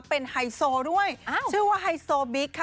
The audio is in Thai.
เป็นไฮโซด้วยชื่อว่าไฮโซบิ๊กค่ะ